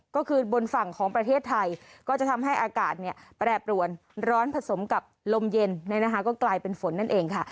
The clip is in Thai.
ก็คือบนฝั่งของประเทศไทยก็จะทำให้อากาศแปรปรวนร้อนผสมกับลมเย็นก็กลายเป็นฝนนั่นเองค่ะ